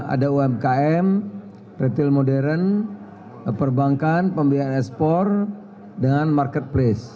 ada umkm retail modern perbankan pembiayaan ekspor dengan marketplace